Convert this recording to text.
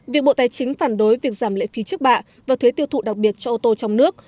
việc bộ tài chính phản đối việc giảm lệ phí trước bạ và thuế tiêu thụ đặc biệt cho ô tô trong nước